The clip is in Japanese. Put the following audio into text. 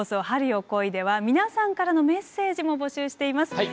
春よ、来い！」では皆さんからのメッセージも募集しています。